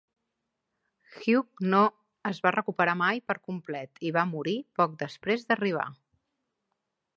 Hugh no es va recuperar mai per complet i va morir poc després d'arribar.